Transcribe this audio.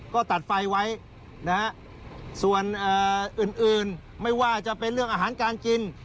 ก็ตัดไฟไว้นะฮะส่วนอื่นไม่ว่าจะเป็นเรื่องอาหารการกิน